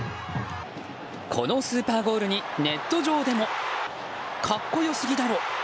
このスーパーゴールにネット上でもかっこよすぎだろ！